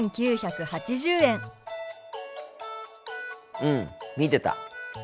うん見てた。